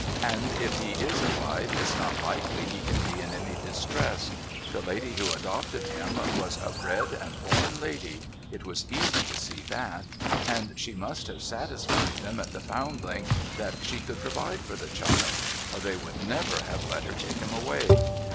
And, if he is alive, it's not likely he can be in any distress. The lady who adopted him was a bred and born lady — it was easy to see that. And she must have satisfied them at the Foundling that she could provide for the child, or they would never have let her THE NEW PARTNER 491 take him away.